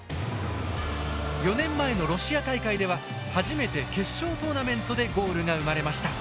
４年前のロシア大会では初めて決勝トーナメントでゴールが生まれました。